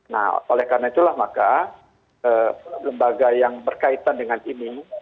nah oleh karena itulah maka lembaga yang berkaitan dengan ini